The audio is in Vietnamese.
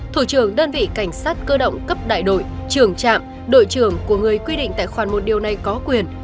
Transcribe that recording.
thủ trưởng đơn vị cảnh sát cơ động cấp đại đội trưởng trạm đội trưởng của người quy định tại khoản một điều này có quyền